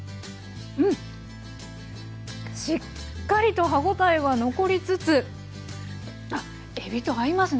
うんしっかりと歯ごたえは残りつつあっえびと合いますね。